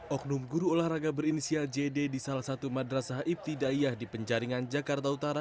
oknum guru olahraga berinisial jd di salah satu madrasah ibtidayah di penjaringan jakarta utara